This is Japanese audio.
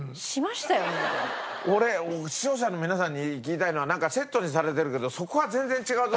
俺視聴者の皆さんに言いたいのはなんかセットにされてるけどそこは全然違うぞっていう。